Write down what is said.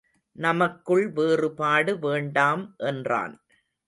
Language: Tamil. நமக்குள் வேறுபாடு வேண்டாம் என்றான்.